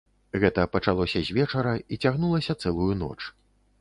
Гэта пачалося звечара і цягнулася цэлую ноч.